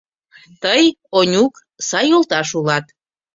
Тый, Онюк, сай йолташ улат.